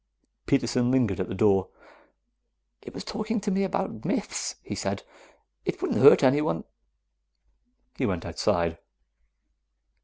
Peterson lingered at the door. "It was talking to me about myths," he said. "It wouldn't hurt anyone." He went outside.